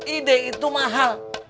ide itu mahal